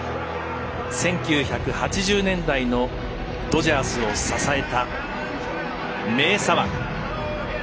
１９８０年代のドジャースを支えた名左腕。